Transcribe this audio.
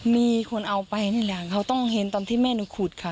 มีคนเอาไปนี่แหละเขาต้องเห็นตอนที่แม่หนูขุดค่ะ